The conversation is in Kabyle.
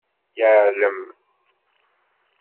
Yeɛlem.